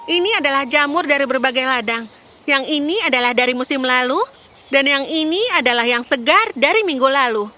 ini adalah jamur dari berbagai ladang yang ini adalah dari musim lalu dan yang ini adalah yang segar dari minggu lalu